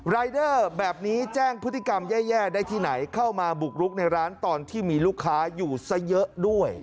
รายเดอร์แบบนี้แจ้งพฤติกรรมแย่ได้ที่ไหนเข้ามาบุกรุกในร้านตอนที่มีลูกค้าอยู่ซะเยอะด้วย